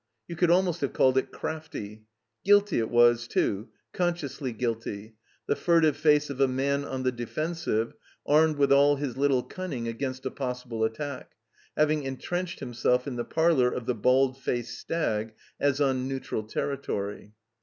You could almost have called it crafty. Guilty it was, too, consciously guilty, the furtive face of a man on the defensive, armed with all his little cunning against a possible attack, having entrenched himself in the parlor of the "Bald Faced Stag" as on neutral terri tory.